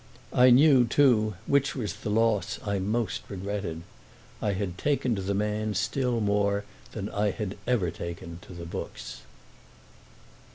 I knew too which was the loss I most regretted. I had taken to the man still more than I had ever taken to the books.